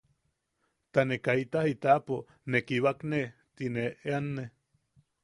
Ta ne kaita jitapo ¿ne kibakne? ti ne eeanne.